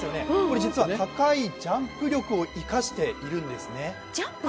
実は高いジャンプ力を生かしているんですね。